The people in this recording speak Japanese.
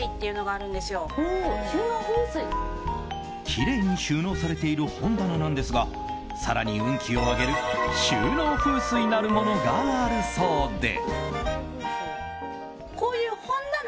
きれいに収納されている本棚なんですが更に運気を上げる収納風水なるものがあるそうで。